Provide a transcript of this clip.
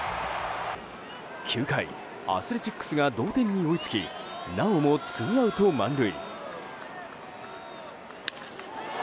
９回、アスレチックスが同点に追いつきなおもツーアウト満塁。